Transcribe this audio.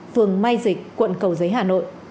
phương mai dịch quận cầu giấy hà nội